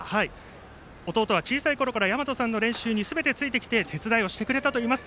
弟は小さいころからやまとさんの練習についてきて手伝いをしてくれたといいます。